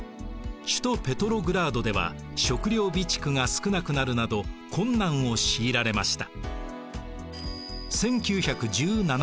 首都ペトログラードでは食糧備蓄が少なくなるなど困難を強いられました。